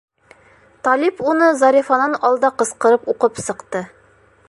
Талип уны Зарифанан алда ҡысҡырып уҡып сыҡты: